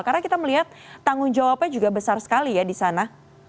karena kita melihat tanggung jawabnya juga besar sekali ya di sana